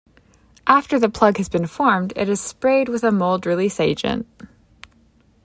After the plug has been formed, it is sprayed with a mold release agent.